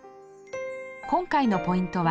今回のポイントは